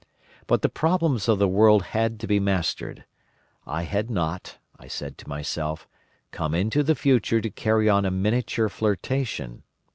But the problems of the world had to be mastered. I had not, I said to myself, come into the future to carry on a miniature flirtation.